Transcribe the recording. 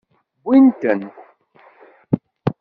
Wwint-ten.